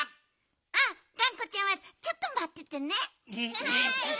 あっがんこちゃんはちょっとまっててね。